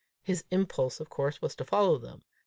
His impulse, of course, was to follow them.